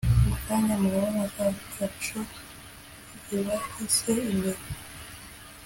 mu kanya murabona za gacu zibahise imbere!"